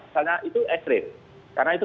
misalnya itu ekstrim karena itu